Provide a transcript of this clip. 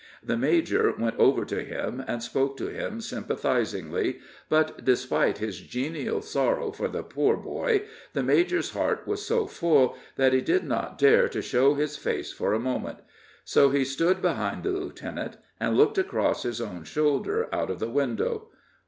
The major went over to him and spoke to him sympathizingly, but despite his genial sorrow for the poor boy, the major's heart was so full that he did not dare to show his face for a moment; so he stood behind the lieutenant, and looked across his own shoulder out of the window.